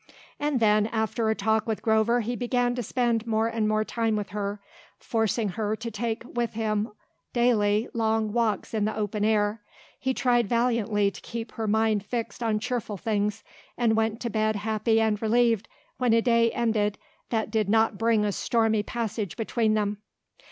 And, then, after a talk with Grover he began to spend more and more time with her, forcing her to take with him daily, long walks in the open air. He tried valiantly to keep her mind fixed on cheerful things and went to bed happy and relieved when a day ended that did not bring a stormy passage between them.